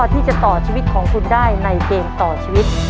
ที่จะต่อชีวิตของคุณได้ในเกมต่อชีวิต